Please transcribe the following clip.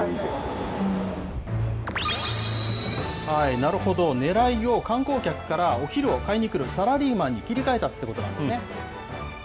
なるほど、狙いを観光客から、お昼を買いに来るサラリーマンに切り替えたってことなんですね。